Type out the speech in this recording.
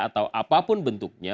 atau apapun bentuknya